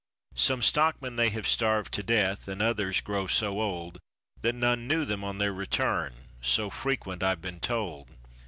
Some stockmen they have starved to death, and others grow so old That none knew them on their return, so frequent I've been told."